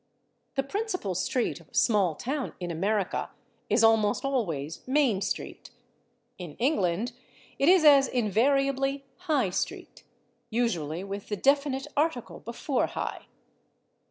The principal street of a small town, in America, is almost always /Main street/; in England it is as invariably /High/ street, usually with the definite article before /High